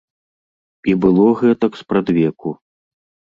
І было гэтак спрадвеку.